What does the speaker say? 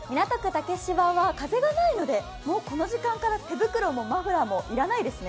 竹芝は風がないので、もうこの時間から手袋もマフラーも要らないですね。